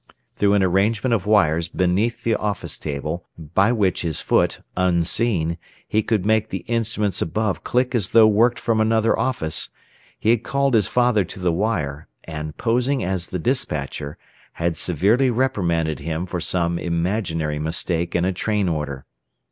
Through an arrangement of wires beneath the office table, by which with his foot, unseen, he could make the instruments above click as though worked from another office, he had called his father to the wire, and posing as the despatcher, had severely reprimanded him for some imaginary mistake in a train order.